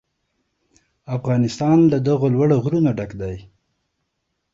افغانستان له دغو لوړو غرونو ډک دی.